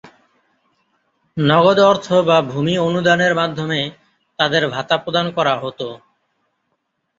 নগদ অর্থ বা ভূমি অনুদানের মাধ্যমে তাদের ভাতা প্রদান করা হতো।